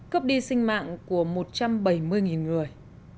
cướp đi sinh mạng của một trăm bảy mươi người